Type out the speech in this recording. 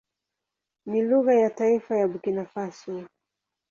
Ni lugha ya taifa ya Burkina Faso.